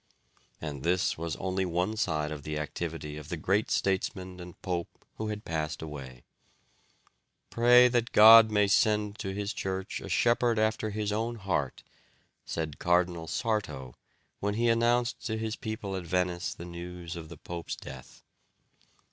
And this was only one side of the activity of the great statesman and pope who had passed away. "Pray that God may send to His Church a shepherd after His own heart," said Cardinal Sarto when he announced to his people at Venice the news of the pope's death.